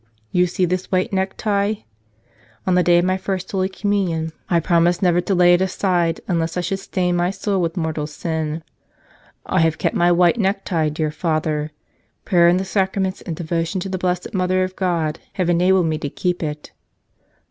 You see this white necktie? On the day of my First Holy Communion I 85 Tell Us A notherf*' S promised never to lay it aside unless I should stain my soul with mortal sin. I have kept my white necktie, dear Father. Prayer and the Sacraments and devotion to the Blessed Mother of God have enabled me to keep it.